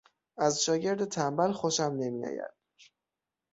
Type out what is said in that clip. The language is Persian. از شاگرد تنبل خوشم نمیآید.